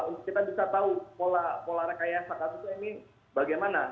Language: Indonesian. untuk kita bisa tahu pola rekayasa kasus ini bagaimana